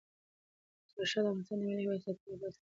ظاهرشاه د افغانستان د ملي هویت ساتلو لپاره سترې هڅې وکړې.